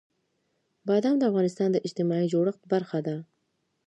بادام د افغانستان د اجتماعي جوړښت برخه ده.